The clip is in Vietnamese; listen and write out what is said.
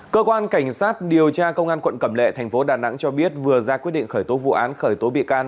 cơ quan cảnh sát điều tra công an quận cẩm lệ thành phố đà nẵng cho biết vừa ra quyết định khởi tố vụ án khởi tố bị can